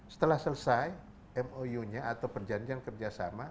setelah selesai mou nya atau perjanjian kerjasama